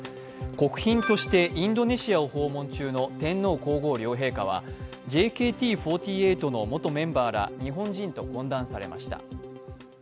国賓としてインドネシアを訪問中の天皇皇后両陛下はＪＫＴ４８の元メンバーら日本人と懇談されました。